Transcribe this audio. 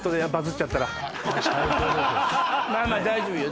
まあまあ大丈夫よ。